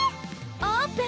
オープン！